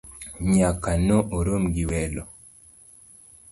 Nyako no omor gi welo